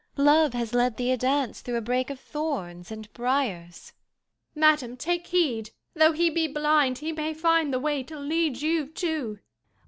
Love has led thee a dance Through a brake of thorns and briars. Jul. Madam, take heed ! though he be blind He may find the Avay to lead you too.